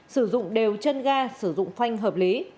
sử dụng đều chân ga sử dụng khoanh hợp lý